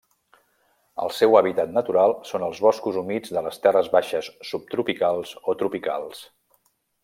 El seu hàbitat natural són els boscos humits de les terres baixes subtropicals o tropicals.